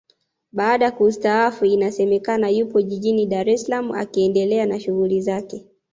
Baada kustaafu inasemekana yupo jijini Dar es Salaam akiendelea na shughuli zake